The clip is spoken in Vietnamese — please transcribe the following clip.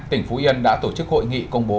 tỉnh phú yên đã tổ chức hội nghị công bố